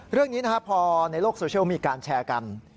เรื่องนี้นะครับพอในโลกโซเชียลมีการแชร์กัน